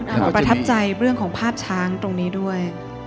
ประทับใจเรื่องของภาพช้างตรงนี้ด้วย